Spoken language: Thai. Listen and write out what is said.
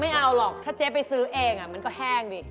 ไม่เอาหรอกถ้าเจ๊ไปซื้อเองมันก็แห้งดิ